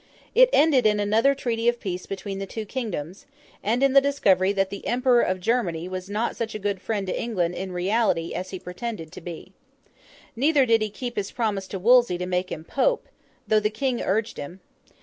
It ended in another treaty of peace between the two kingdoms, and in the discovery that the Emperor of Germany was not such a good friend to England in reality, as he pretended to be. Neither did he keep his promise to Wolsey to make him Pope, though the King urged him.